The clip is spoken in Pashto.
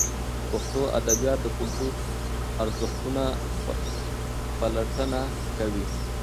پښتو ادبیات د کلتوري ارزښتونو پلټونه کوي.